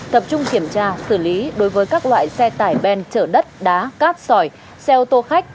tập trung kiểm tra xử lý đối với các loại xe tải ben chở đất đá cát sỏi xe ô tô khách